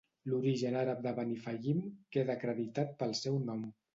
L'origen àrab de Benifallim queda acreditat pel seu nom.